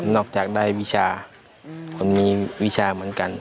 จากได้วิชาคนมีวิชาเหมือนกัน